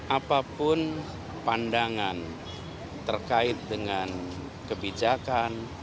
apapun pandangan terkait dengan kebijakan